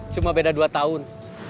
cuma beda dua tahun